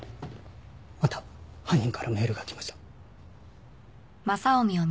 また犯人からメールがきました。